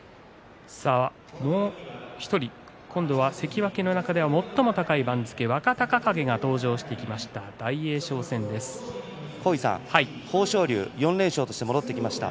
もう１人、今度は関脇の中では最も高い番付、若隆景が登場して豊昇龍、４連勝として戻ってきました。